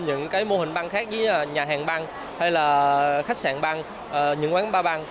những mô hình băng khác như nhà hàng băng hay là khách sạn băng những quán ba băng